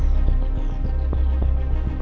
aku mau main ke rumah intan